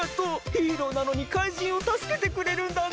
ヒーローなのにかいじんをたすけてくれるんだね。